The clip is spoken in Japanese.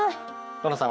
ノラさん